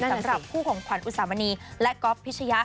สำหรับคู่ของขวัญอุสามณีและก๊อฟพิชยะ